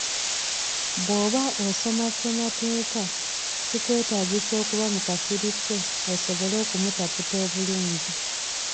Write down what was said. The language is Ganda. Bwoba osoma ssemateeka, kikwetaagisa okuba mu kasirise osobole okumutaputa obulungi.